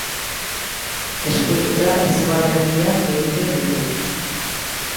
Eskultura izugarri handiak egiten ditu.